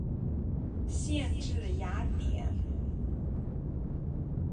县治雅典。